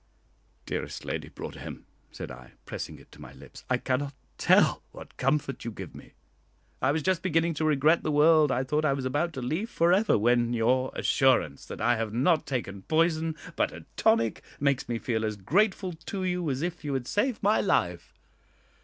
"Dearest Lady Broadhem," said I, pressing it to my lips, "I cannot tell what comfort you give me. I was just beginning to regret the world I thought I was about to leave for ever, when your assurance that I have not taken poison, but a tonic, makes me feel as grateful to you as if you had saved my life.